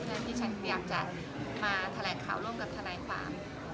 เพราะฉะนั้นผมอยากจะมาแถลกข่าวร่วมกับธฝ่า